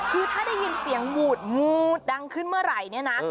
คือถ้าได้ยินเสียงวูดงูดดังขึ้นเมื่อไหร่